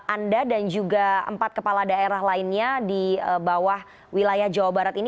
anda dan juga empat kepala daerah lainnya di bawah wilayah jawa barat ini